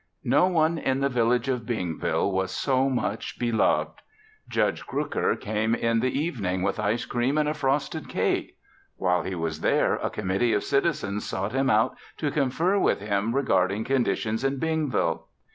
No one in the village of Bingville was so much beloved. Judge Crooker came in the evening with ice cream and a frosted cake. While he was there, a committee of citizens sought him out to confer with him regarding conditions in Bingville.